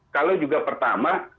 kalau juga pertama